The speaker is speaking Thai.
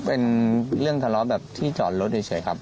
เป็นเรื่องทะเลาะแบบที่จอดรถเฉยครับ